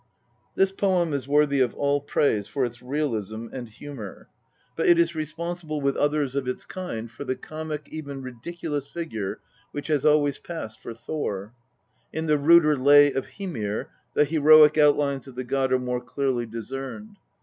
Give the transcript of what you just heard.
This poem is worthy of all praise for its realism and humour ; but xxxviii THE POETIC EDDA. it is responsible, with others of its kind, for the comic, even ridiculous figure which has always passed for Thor. In the ruder Lay of Hymir the heroic outlines of the god are more clearly discerned.